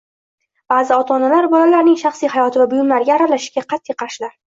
Ba’zi ota-onalar bolalarning shaxsiy hayoti va buyumlariga aralashishga qat’iy qarshilar.